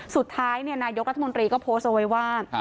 สุดท้ายนายกรัฐมนตรีก็โพสต์เอาไว้ว่า